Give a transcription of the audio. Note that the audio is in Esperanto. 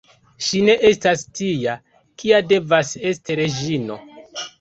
Ŝi ne estas tia, kia devas esti reĝino.